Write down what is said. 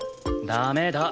ダメだ。